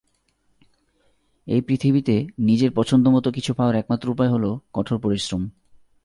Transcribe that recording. এই পৃথিবীতে নিজের পছন্দমতো কিছু পাওয়ার একমাত্র উপায় হলো কঠোর পরিশ্রম।